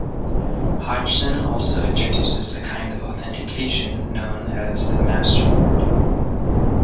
Hodgson also introduces a kind of authentication known as the master word.